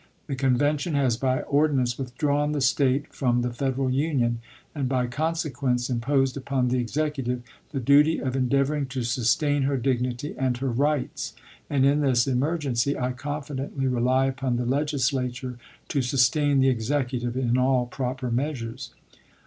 The convention has by ordi nance withdrawn the State from the Federal Union, and by consequence imposed upon the Executive the duty of endeavoring to sustain her dignity and her rights; and in this emergency I confidently rely upon the Legislature to sustain the Executive in all proper measures."